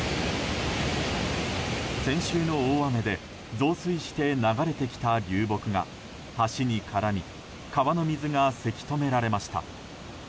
先週の大雨で増水して流れてきた流木が橋に絡み川の水がせき止められました。